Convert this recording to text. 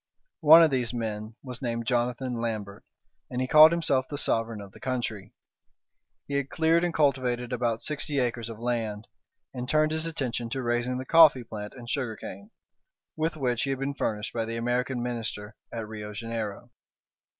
One of these men was named Jonathan Lambert, and he called himself the sovereign of the country. He had cleared and cultivated about sixty acres of land, and turned his attention to raising the coffee plant and sugar cane, with which he had been furnished by the American Minister at Rio Janeiro.